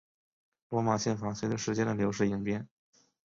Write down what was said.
罗马宪法随着时间的流逝演变。